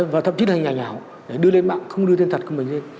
và thậm chí là hình ảnh ảo để đưa lên mạng không đưa tên thật của mình lên